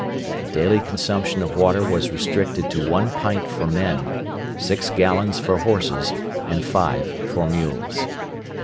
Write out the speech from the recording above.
The daily consumption of water was restricted to one pint for men, six gallons for horses, and five for mules.